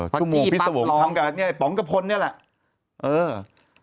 ชั่วโมงพิษสะวงทำกับนี้ป๋องกะพรนี่แหละ